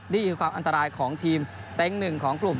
นี่คือความอันตรายของทีมเต็งหนึ่งของกลุ่ม